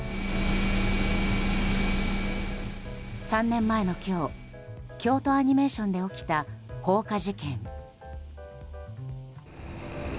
３年前の今日京都アニメーションで起きた放火事件。